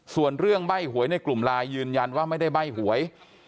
ส่วนเรื่องใบ้หวยในกลุ่มไลน์ยืนยันว่าไม่ได้ใบ้หวย